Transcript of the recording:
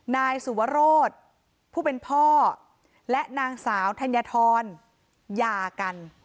นายสุวรสผู้เป็นพ่อและนางสาวธัญฑรหย่ากัน